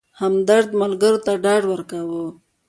همدرد ملګرو ته ډاډ ورکاوه.